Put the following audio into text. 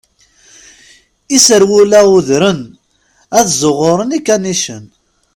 Iserwula udren, ad ẓuɣuren ikanicen.